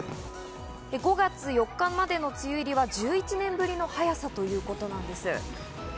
５月４日までの梅雨入りは１１年ぶりの早さということなんです。